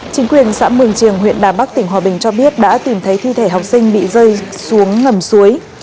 chính quyền xã mường triềng huyện đà bắc tỉnh hòa bình cho biết đã tìm thấy thi thể học sinh bị rơi xuống ngầm suối